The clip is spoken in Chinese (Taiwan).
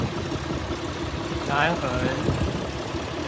南橫